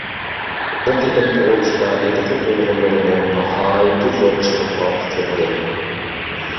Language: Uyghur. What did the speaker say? بۇ قېتىمقى ئۇرۇشتا ئىدىقۇت ئۇيغۇرلىرىمۇ ناھايىتى زور چىقىمغا ئۇچۇردى .